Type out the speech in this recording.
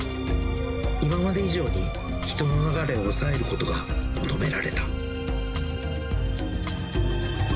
今まで以上に人の流れを抑えることが求められた。